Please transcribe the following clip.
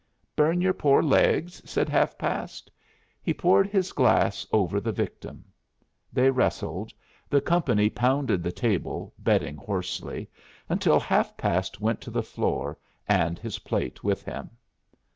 "Burn your poor legs?" said Half past. He poured his glass over the victim. They wrestled, the company pounded the table, betting hoarsely, until Half past went to the floor, and his plate with him.